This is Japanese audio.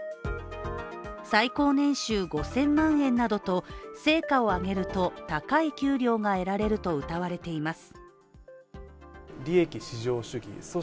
最高年収５０００万円などと成果を上げると高い給料が得られるとうたわれています。